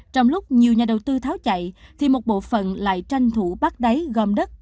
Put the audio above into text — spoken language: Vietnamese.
trong lúc nhiều nhà đầu tư tháo chạy thì một bộ phận lại tranh thủ bắt đáy gom đất